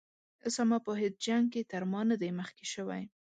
اسامه په هیڅ جنګ کې تر ما نه دی مخکې شوی.